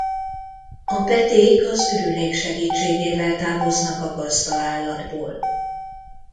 A peték az ürülék segítségével távoznak a gazdaállatból.